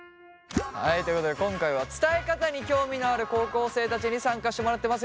はいということで今回は伝え方に興味のある高校生たちに参加してもらってます。